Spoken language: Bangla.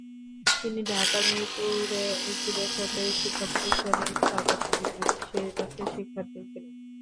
তিনি ঢাকার মিরপুরে একটি বেসরকারি শিক্ষাপ্রতিষ্ঠানের স্থাপত্য বিভাগের শেষ বর্ষের শিক্ষার্থী ছিলেন।